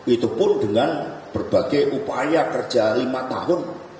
itu pun dengan berbagai upaya kerja lima tahun